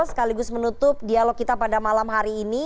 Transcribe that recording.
sekaligus menutup dialog kita pada malam hari ini